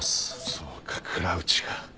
そうか倉内か。